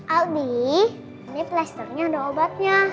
aldi ini plasternya ada obatnya